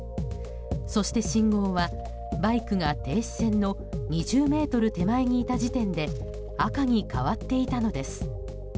そして信号はバイクが停止線の２０ｍ手前にいた時点で赤に変わっていたのです。